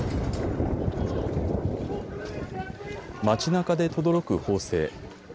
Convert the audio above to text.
街なかでとどろく砲声。